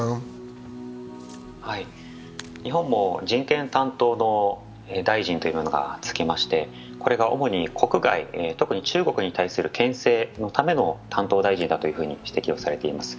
日本も人権担当の大臣というものが就きましてこれが主に国外、特に中国に対するけん制のための担当大臣だと指摘されています。